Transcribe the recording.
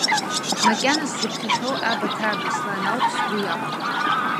Макьана сзыԥхьахьоу Абаҭаа Беслан ауп, сгәы иахәоит.